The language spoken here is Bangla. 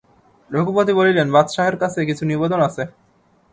রঘুপতি বলিলেন, বাদশাহের কাছে কিছু নিবেদন আছে।